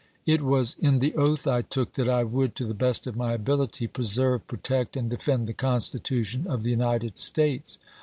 It was in the oath I took that I would, to the best of my ability, preserve, protect, and defend the Constitution of the United States.